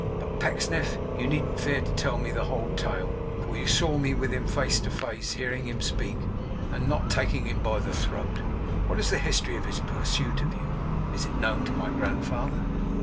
But Pecksniff? You needn't fear to tell me the whole tale; for you saw me with him face to face, hearing him speak, and not taking him by the throat; what is the history of his pursuit of you? Is it known to my grandfather?